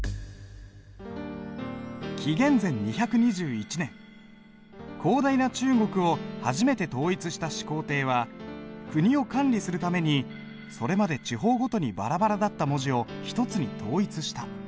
紀元前２２１年広大な中国を初めて統一した始皇帝は国を管理するためにそれまで地方ごとにばらばらだった文字を一つに統一した。